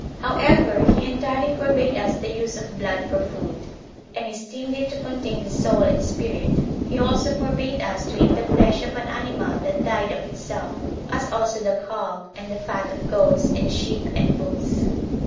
However, he entirely forbade us the use of blood for food, and esteemed it to contain the soul and spirit. He also forbade us to eat the flesh of an animal that died of itself, as also the caul, and the fat of goats, and sheep, and bulls.